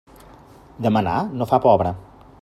Demanar no fa pobre.